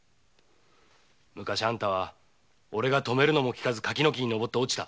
昔あんたはおれが止めたのに柿の木に登って落ちた。